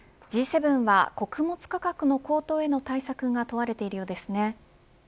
Ｇ７は穀物価格の高騰への対策が問われているようですね。